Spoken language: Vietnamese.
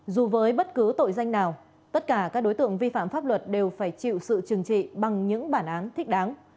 dù với bất cứ tội danh nào tất cả các đối tượng vi phạm pháp luật đều phải chịu sự trừng trị bằng những bản án thích đáng